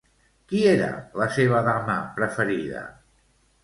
Qui era la seva dama preferida?